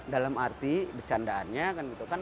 dalam arti bercandaannya kan gitu kan